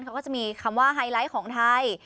เขาก็จะมีคำว่าไฮไลท์ของไทย